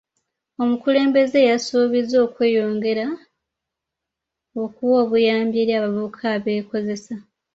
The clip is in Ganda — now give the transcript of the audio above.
Omukulembeze yasuubizza okweyongera okuwa obuyambi eri abavubuka abeekozesa.